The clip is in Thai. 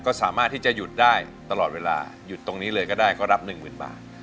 ก็สามารถที่จะหยุดได้ตลอดเวลาหยุดตรงนี้เลยก็ได้ก็รับ๑๐๐๐บาท